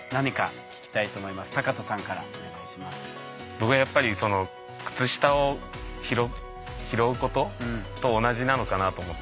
僕はやっぱり靴下を拾うことと同じなのかなと思って。